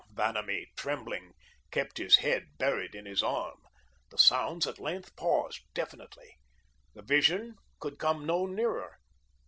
Vanamee, trembling, kept his head buried in his arm. The sounds, at length, paused definitely. The Vision could come no nearer.